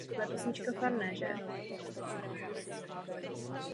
Po smrti matky zůstal v péči své nevlastní sestry Irene.